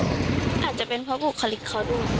อาจจะเป็นเพราะบุคลิกเขาด้วย